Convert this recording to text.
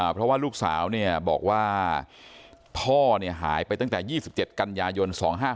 เพราะว่าลูกสาวบอกว่าพ่อหายไปตั้งแต่๒๗กันยายน๒๕๖